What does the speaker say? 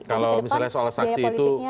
kalau misalnya soal saksi itu